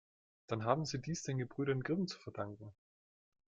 Dann haben Sie dies den Gebrüdern Grimm zu verdanken.